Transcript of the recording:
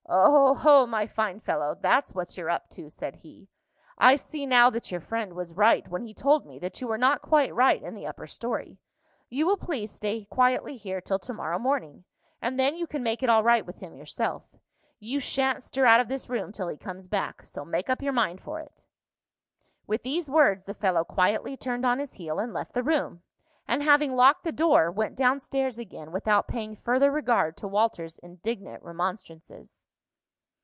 "Oho, my fine fellow, that's what you're up to," said he. "I see now that your friend was right when he told me that you were not quite right in the upper story. You will please stay quietly here till to morrow morning, and then you can make it all right with him yourself. You sha'n't stir out of this room till he comes back, so make up your mind for it." With these words the fellow quietly turned on his heel and left the room, and having locked the door, went down stairs again without paying further regard to Walter's indignant remonstrances.